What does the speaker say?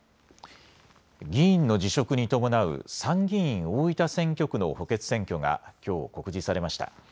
議員の辞職に伴う参議院大分選挙区の補欠選挙がきょう告示されました。